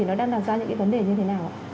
sẽ đặt ra những vấn đề như thế nào ạ